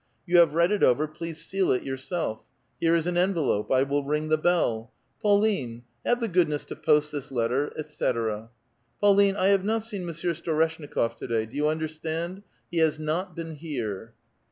— You have read it over : please seal it yourself. Here is an envelope ; I will ring the bell. — Pauline, have the goodness to post this letter, etc. Pauline, I have not seen Monsieur Storeshnikof to day ; do you understand ? he has not been here